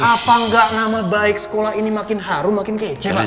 apa enggak nama baik sekolah ini makin harum makin kece pak